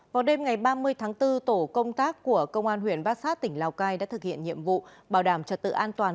vào đêm ngày ba mươi tháng bốn tổ công tác của công an huyện bát sát tỉnh lào cai đã thực hiện nhiệm vụ bảo đảm trật tự an toàn